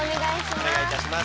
お願いいたします。